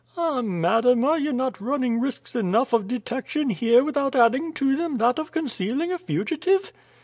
"Ah, madam, are you not running risks enough of detection here without adding to them that of concealing a fugitive?"